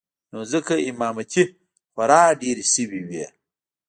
نو ځکه امامتې خورا ډېرې سوې وې.